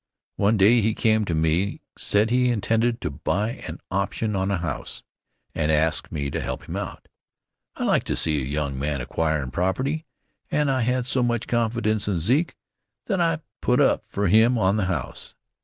One day he came to me, said he intended to buy an option on a house, and asked me to help him out. I like to see a young man acquirin' property and I had so much confidence in Zeke that I put up for him on the house.